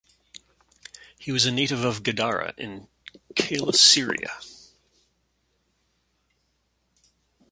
He was a native of Gadara in Coele-Syria.